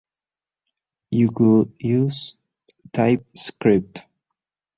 You could use TypeScript